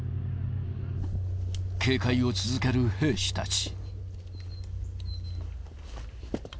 警戒を続ける兵士たち。